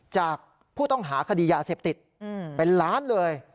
จากผู้ต้องหาคดียาเสพติดเป็นล้านเลย